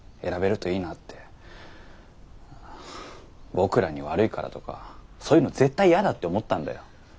僕らに悪いからとかそういうの絶対イヤだって思ったんだよ。